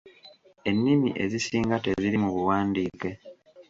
Ennimi ezisinga teziri mu buwandiike.